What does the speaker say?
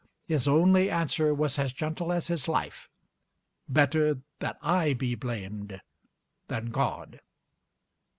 His only answer was as gentle as his life: "Better that I be blamed than God."